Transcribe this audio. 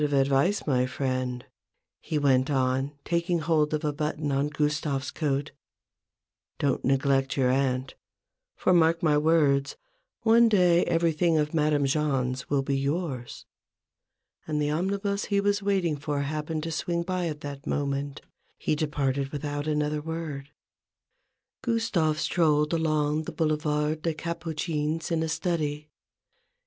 of advice, my friend," he went on, taking hold of a button on Gustave's coat :" don't neglect your aunt; for, mark my words, one day everything of Madame Jahn's will be yours !" And the omnibus he was waiting for happen ing to swing by at that moment, he departed without another word. Gustave strolled along the Boulevard des Capucines in a study.